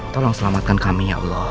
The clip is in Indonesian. tolong selamatkan kami ya allah